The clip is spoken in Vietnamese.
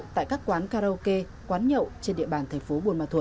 tại các quán karaoke quán nhậu trên địa bàn thành phố bùi ma thuật